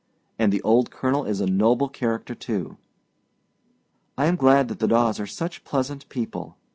And the old colonel is a noble character, too. I am glad that the Daws are such pleasant people.